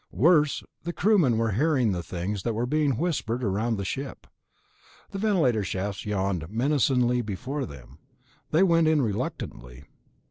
Worse, the crewmen were hearing the things that were being whispered around the ship. The ventilator shafts yawned menacingly before them; they went in reluctantly.